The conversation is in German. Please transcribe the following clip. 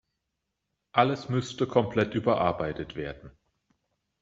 Alles müsste komplett überarbeitet werden.